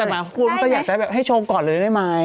แต่มาคุ้มก็อยากได้แบบให้โชว์ก่อนเลยได้ไหม